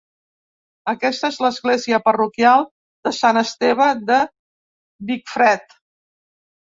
Aquesta és l'església parroquial de Sant Esteve de Vicfred.